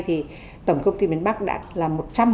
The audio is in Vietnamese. thì tổng công ty miền bắc đã là một trăm linh